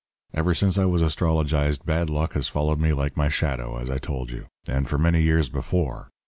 'Ever since I was astrologized, bad luck has followed me like my shadow, as I told you. And for many years before.